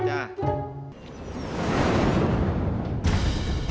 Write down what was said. สวัสดีครับ